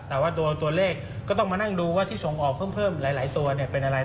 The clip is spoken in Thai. แต่ว่าตัวเลขก็ต้องมานั่งดูว่าที่ส่งออกเพิ่มหลายตัวเนี่ยเป็นอะไร